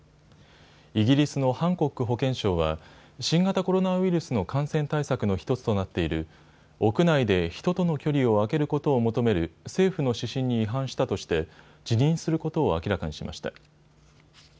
イギリスのハンコック保健相は新型コロナウイルスの感染対策の１つとなっている屋内で人との距離を空けることを求める政府の指針に違反したとして辞任することを明らかにしました。